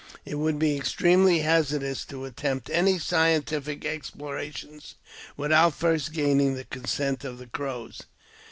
It would be extremely hazardous to attempt any scientific explorations without first gaining the consent of the Crows.